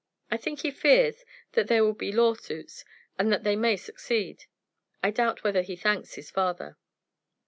I think he fears that there will be lawsuits, and that they may succeed. I doubt whether he thanks his father."